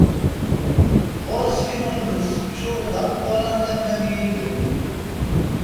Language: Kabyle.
Ɣur-s yiwen n usečču d ameqqṛan tama n yilel.